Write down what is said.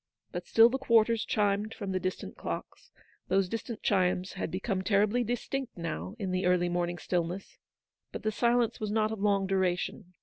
But still the quarters chimed from the distant clocks : those distant chimes had become terribly distinct now in the early morning stillness. But the silence was not of long duration.